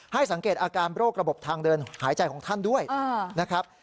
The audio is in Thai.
สังเกตอาการโรคระบบทางเดินหายใจของท่านด้วยนะครับ